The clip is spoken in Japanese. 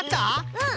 うん。